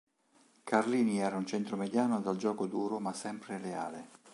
Carlini era un centromediano dal gioco duro ma sempre leale.